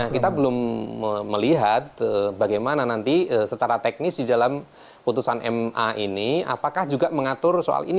kita belum melihat bagaimana nanti secara teknis di dalam putusan ma ini apakah juga mengatur soal ini